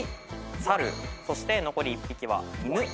そして残り１匹は。